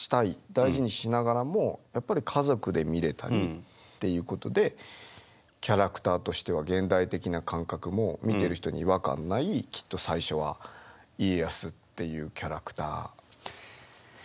大事にしながらもやっぱり家族で見れたりっていうことでキャラクターとしては現代的な感覚も見てる人に違和感ないきっと最初は家康っていうキャラクター。